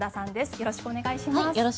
よろしくお願いします。